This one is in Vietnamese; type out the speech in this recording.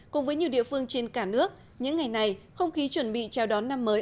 cùng với nhiều địa phương trên cả nước những ngày này không khí chuẩn bị chào đón năm mới